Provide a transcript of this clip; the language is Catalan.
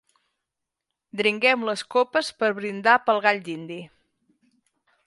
Dringuem les copes per brindar pel gall dindi.